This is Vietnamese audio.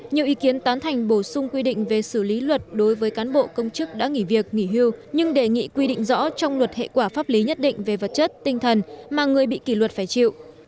nhiều ý kiến tán thành bổ sung quy định về xử lý luật đối với cán bộ công chức đã nghỉ việc nghỉ hưu nhưng đề nghị quy định rõ trong luật hệ quả pháp lý nhất định về vật chất tinh thần mà người bị kỷ luật phải chịu